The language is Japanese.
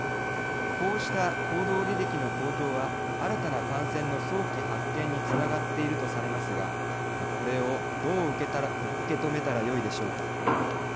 こうした行動履歴の公表は新たな感染の早期発見につながっているとされますがこれをどう受け止めたらよいでしょうか。